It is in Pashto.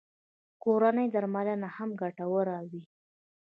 کورنۍ درملنه هم ګټوره وي